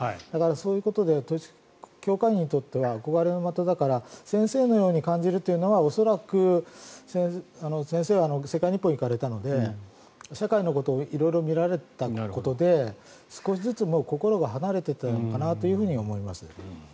そういうことで統一教会員にとっては憧れの的だから先生のように感じるというのは恐らく先生は世界日報に行かれたので社会のことを色々見られたことで少しずつ心が離れていたのかなと思います。